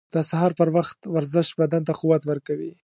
• د سهار پر وخت ورزش بدن ته قوت ورکوي.